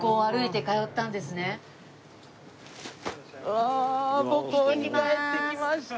うわ母校に帰ってきました。